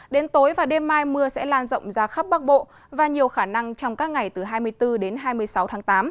đến tối và đêm mai mưa sẽ lan rộng ra khắp bắc bộ và nhiều khả năng trong các ngày từ hai mươi bốn đến hai mươi sáu tháng tám